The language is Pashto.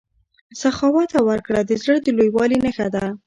سخاوت او ورکړه د زړه د لویوالي نښه ده.